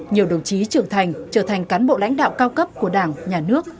nhiều đồng chí trưởng thành trở thành cán bộ lãnh đạo cao cấp của đảng nhà nước